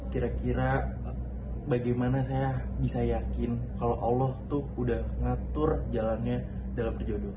kira kira bagaimana saya bisa yakin kalau allah itu sudah mengatur jalannya dalam perjodohan